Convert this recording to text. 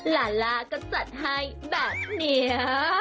ลาล่าก็จัดให้แบบนี้